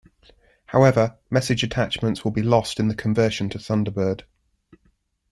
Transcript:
However, message attachments will be lost in the conversion to Thunderbird.